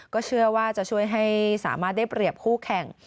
ก็เชื่อว่าจะช่วยให้สามารถได้เปรียบคู่แข่ง